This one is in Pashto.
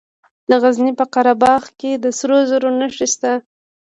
د غزني په قره باغ کې د سرو زرو نښې شته.